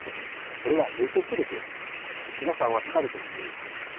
それは予測力です。